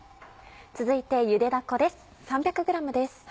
続いてゆでだこです。